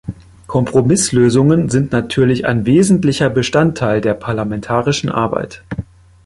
Kompromisslösungen sind natürlich ein wesentlicher Bestandteil der parlamentarischen Arbeit.